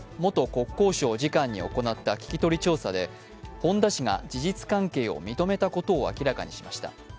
国交省次官に行った聞き取り調査で、本田氏が事実関係を認めたことを明らかにしました。